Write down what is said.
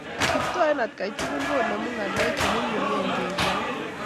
Kiptoo eng atkai tugul, koonemu ng'alek che nyumnyumen keguiyo